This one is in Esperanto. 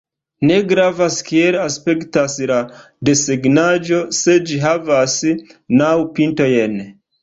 Ne gravas kiel aspektas la desegnaĵo se ĝi havas naŭ pintojn.